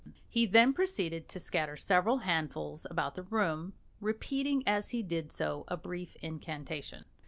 He then proceeded to scatter several handfuls about the room, repeating as he did so a brief incantation.